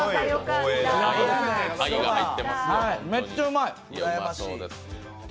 めっちゃうまい。